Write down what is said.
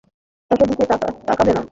তাদের দিকে তাকাবে না।